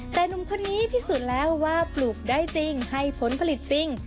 แต่หนุ่มคนนี้พิสูจน์แล้วว่าปลูกได้จริงให้ผลผลิตจริง